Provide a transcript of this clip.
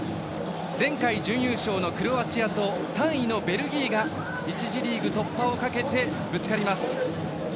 前回、準優勝のクロアチアと３位のベルギーが１次リーグ突破をかけてぶつかります。